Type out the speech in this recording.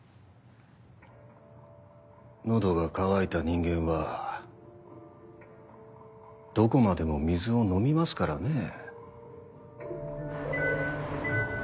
喉が渇いた人間はどこまでも水を飲みますからねぇ。